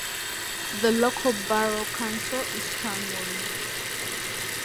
The local borough council is Charnwood.